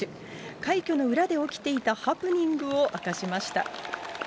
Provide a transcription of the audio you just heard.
快挙の裏で起きていたハプニングを明かしました。